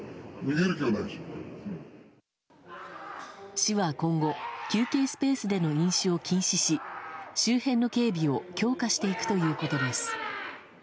市は今後休憩スペースでの飲酒を禁止し周辺の警備を強化していくということです。